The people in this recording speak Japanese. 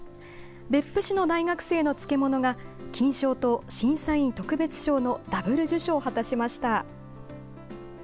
別府市の大学生の漬物が金賞と審査委員特別賞のダブル受賞を果たしました。